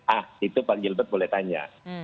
ah itu pak gilbert boleh tanya